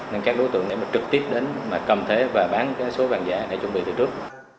nên các đối tượng để mà trực tiếp đến mà cầm thế và bán số vàng giả để chuẩn bị từ trước